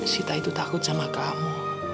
sita itu takut sama kamu